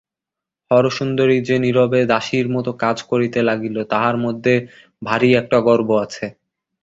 হরসুন্দরী যে নীরবে দাসীর মতো কাজ করিতে লাগিল তাহার মধ্যে ভারি একটা গর্ব আছে।